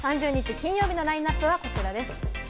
金曜日のラインナップはこちらです。